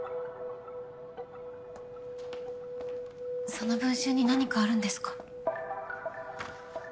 その文集に何かあるんですか？